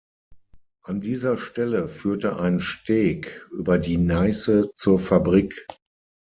An dieser Stelle führte ein Steg über die Neiße zur Fabrik.